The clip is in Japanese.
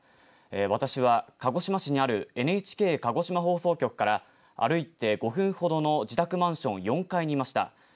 私は鹿児島市にあるＮＨＫ鹿児島放送局から歩いて５分ほどの自宅マンション４階にいました。